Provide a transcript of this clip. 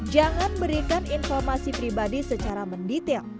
jangan berikan informasi pribadi secara mendetail